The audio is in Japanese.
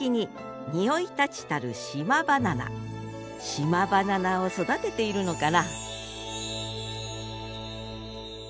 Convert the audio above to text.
島バナナを育てているのかな？